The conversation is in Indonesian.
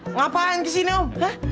om ngapain kesini om